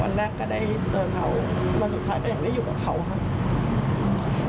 วันแรกก็ได้เจอเขาวันสุดท้ายก็ยังได้อยู่กับเขาค่ะ